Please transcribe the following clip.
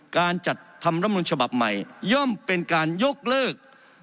การจัดทำรัฐมนุนฉบับใหม่ย่อมเป็นการยกเลิก